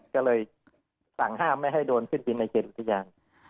ก็เลยสั่งห้ามไม่ให้โดรนขึ้นบินในเขตอุทยาน